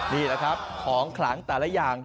นี่แหละครับของขลังแต่ละอย่าง